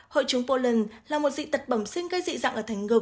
hội trúng poland là một dị tật bẩm sinh gây dị dạng ở thành ngực